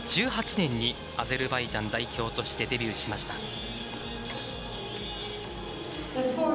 ２０１８年にアゼルバイジャン代表としてデビューしました。